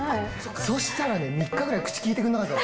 そしたらね、３日ぐらい口きいてくれなかった。